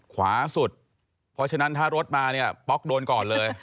ขวาสุดเพราะฉะนั้นถ้ารถมาเนี่ยป๊อกโดนก่อนเลย